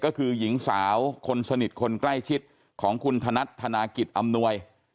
ก็คือหญิงสาวคนสนิทคนใกล้ชิดของคุณธนัดธนากิจอำนวย